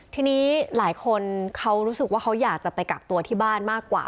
ทีนี้หลายคนเขารู้สึกว่าเขาอยากจะไปกักตัวที่บ้านมากกว่า